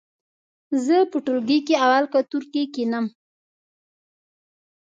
زه په ټولګي کې اول قطور کې کېنم.